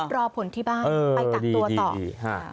รอผลที่บ้านไปกักตัวต่อ